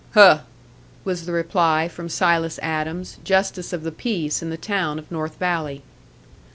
"Huh!" was the reply from Silas Adams, justice of the peace in the town of North Valley.